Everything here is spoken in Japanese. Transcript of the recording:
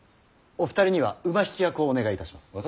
お二人には馬引き役をお願いいたします。